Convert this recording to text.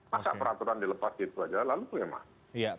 masa peraturan dilepas itu saja lalu pengemas